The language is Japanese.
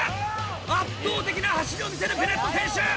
圧倒的な走りを見せるベネット選手！